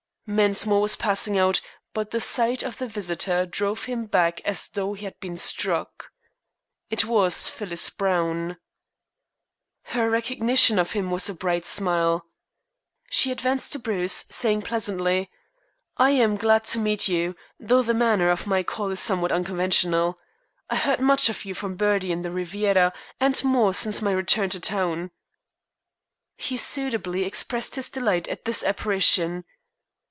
Mensmore was passing out, but the sight of the visitor drove him back as though he had been struck. It was Phyllis Browne. Her recognition of him was a bright smile. She advanced to Bruce, saying pleasantly: "I am glad to meet you, though the manner of my call is somewhat unconventional. I heard much of you from Bertie in the Riviera, and more since my return to town." He suitably expressed his delight at this apparition.